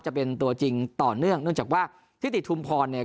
จะเป็นตัวจริงต่อเนื่องเนื่องจากว่าทิติชุมพรเนี่ย